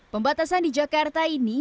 pembatasan di jakarta ini